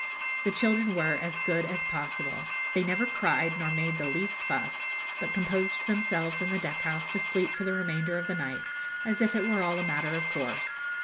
The children were as good as possible. They never cried nor made the least fuss, but composed themselves in the deck house to sleep for the remainder of the night, as if it were all a matter of course.